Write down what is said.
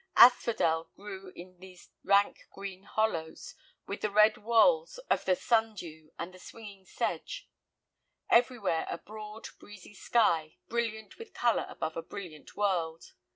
Asphodel grew in these rank green hollows, with the red whorls of the sundew, and the swinging sedge. Everywhere a broad, breezy sky, brilliant with color above a brilliant world.